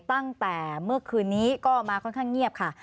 ตั้งแต่เมื่อคืนนี้ก็มาค่อนข้างเงียบค่ะ